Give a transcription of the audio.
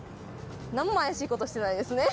何も怪しいことしてないですね？